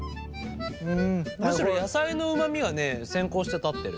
むしろ野菜のうまみがね先行して立ってる。